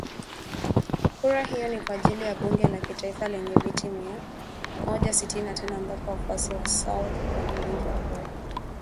Kura hiyo ni kwa ajili ya bunge la kitaifa lenye viti mia moja sitini na tano ambapo wafuasi wa Sall wana wingi wa kura